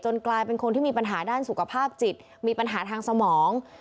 กลายเป็นคนที่มีปัญหาด้านสุขภาพจิตมีปัญหาทางสมอง